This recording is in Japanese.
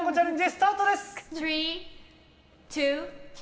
スタートです！